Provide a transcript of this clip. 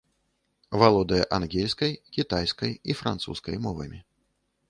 Валодае ангельскай, кітайскай і французскай мовамі.